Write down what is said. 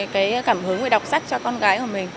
cái cảm hứng về đọc sách cho con gái của mình